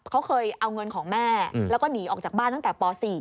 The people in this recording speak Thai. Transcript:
เขาเคยเอาเงินของแม่แล้วก็หนีออกจากบ้านตั้งแต่ป๔